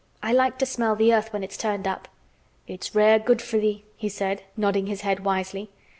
I like to smell the earth when it's turned up." "It's rare good for thee," he said, nodding his head wisely.